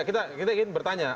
kita ingin bertanya